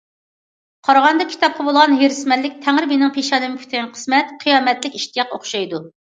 قارىغاندا، كىتابقا بولغان ھېرىسمەنلىك تەڭرى مېنىڭ پېشانەمگە پۈتكەن قىسمەت، قىيامەتلىك ئىشتىياق ئوخشايدۇ.